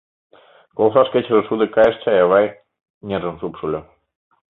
— Колышаш кечыже шуде кайыш чай авай, — нержым шупшыльо.